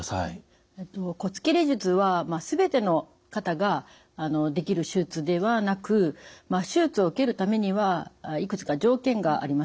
骨切り術は全ての方ができる手術ではなく手術を受けるためにはいくつか条件があります。